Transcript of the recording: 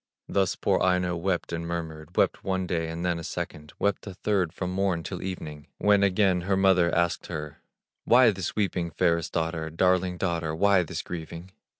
Thus poor Aino wept and murmured, Wept one day, and then a second, Wept a third from morn till even, When again her mother asked her: "Why this weeping, fairest daughter, Darling daughter, why this grieving?"